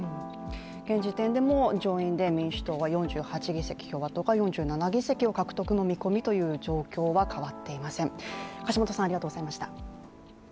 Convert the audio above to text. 現時点でも上院で民主党は４８議席共和党が４７議席を獲得の見込みという状況は変わっていません。